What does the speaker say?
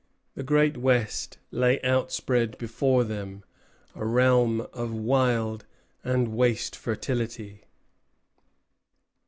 The Great West lay outspread before them, a realm of wild and waste fertility.